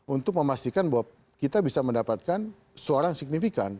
untuk memastikan bahwa kita bisa mendapatkan suara yang signifikan